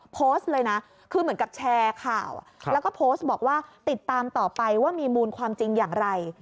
โพสต์เลยนะคือเหมือนกับแชร์ข่าวแล้วก็โพสต์บอกว่าติดตามต่อไปว่ามีมูลความจริงอย่างไร